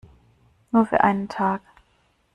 Nur für einen Tag.